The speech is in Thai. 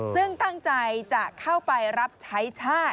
ซึ่งตั้งใจจะเข้าไปรับใช้ชาติ